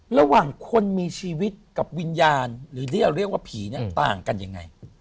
ระหว่างคนมีชีวิตกับวิญญาณหรือที่เราเรียกว่าผีเนี่ยต่างกันยังไง